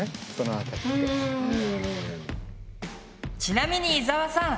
ちなみに伊沢さん。